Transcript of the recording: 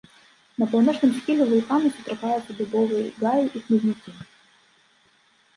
На паўночным схіле вулкана сустракаюцца дубовыя гаі і хмызнякі.